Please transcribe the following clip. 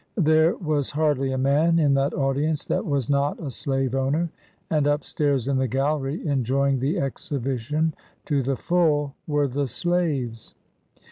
There was hardly a man in that audience that was not a slave owner, and up stairs in the gallery, enjoying the exhibition to the full, were the slaves.